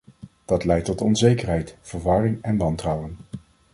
Dat leidt tot onzekerheid, verwarring en wantrouwen.